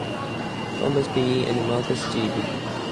Converse, P. E., and Markus, G. B.